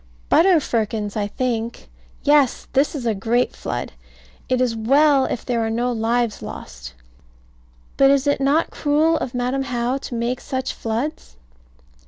Butter firkins, I think. Yes. This is a great flood. It is well if there are no lives lost. But is it not cruel of Madam How to make such floods?